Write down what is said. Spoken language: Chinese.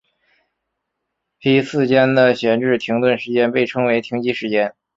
批次间的闲置停顿时间被称为停机时间。